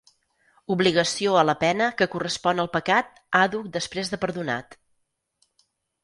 Obligació a la pena que correspon al pecat àdhuc després de perdonat.